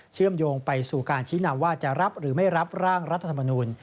เชื่อมโยงไปสู่การชี้นำว่าจะรับหรือไม่รับร่างรัฐธรรมนูล